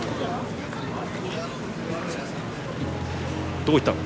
どこ行ったの？